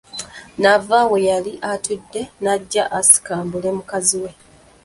N’ava we yali atudde najja asikambule mukazi we.